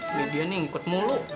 ini dia nih ngikut mulu